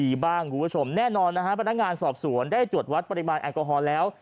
บ้างคุณผู้ชมแน่นอนนะฮะพนักงานสอบสวนได้ตรวจวัดปริมาณแอลกอฮอล์แล้ว